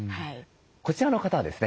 こちらの方はですね